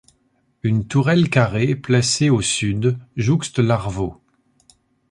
Une tourelle carrée placée au sud jouxte l'arvô.